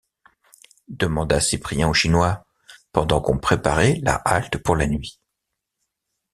demanda Cyprien au Chinois, pendant qu’on préparait la halte pour la nuit.